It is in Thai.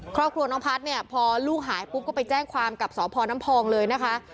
ครอบครัวน้องพัฒน์เนี่ยพอลูกหายปุ๊บก็ไปแจ้งความกับสพน้ำพองเลยนะคะ